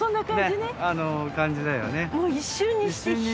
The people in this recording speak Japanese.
ねっ感じだよね。